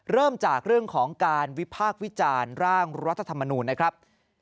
เริ่มจากเรื่องของการวิพากษ์วิจารณ์ร่างรัฐธรรมนูญนะครับ